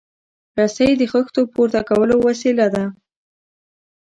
رسۍ د خښتو پورته کولو وسیله ده.